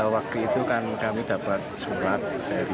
waktu itu kami dapat surat dari